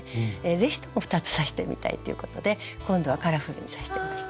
是非とも２つ刺してみたいということで今度はカラフルに刺してみました。